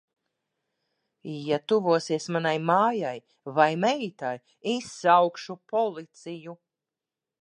Ja tuvosies manai mājai vai meitai, izsaukšu policiju.